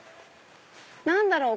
何だろう？